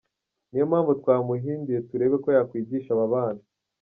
Niyo mpamvu twamuhinduye turebe ko yakwigisha aba bana.